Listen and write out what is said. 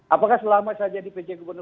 apakah selama saya jadi pj gubernur